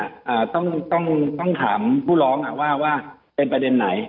อ่าต้องต้องต้องถามผู้ร้องอ่ะว่าว่าเป็นประเด็นไหน